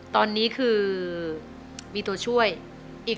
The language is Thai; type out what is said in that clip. ตอนนี้คือมีตัวช่วยอีกหนึ่งตัว